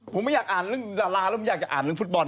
ผมไม่อยากอ่านเรื่องดาราแล้วผมอยากจะอ่านเรื่องฟุตบอล